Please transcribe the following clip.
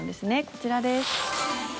こちらです。